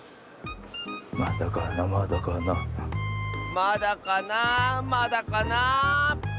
まだかなまだかな。